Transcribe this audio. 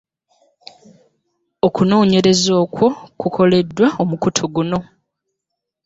Okunoonyereza okwo kukoleddwa omukutu guno